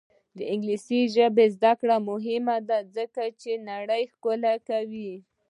د انګلیسي ژبې زده کړه مهمه ده ځکه چې نړۍ ښکلې کوي.